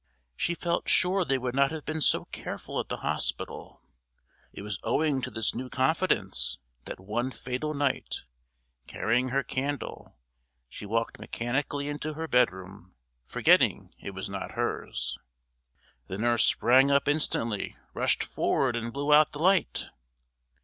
She felt sure they would not have been so careful at the hospital. It was owing to this new confidence that one fatal night, carrying her candle, she walked mechanically into her bedroom, forgetting it was not hers. The nurse sprang up instantly, rushed forward, and blew out the light.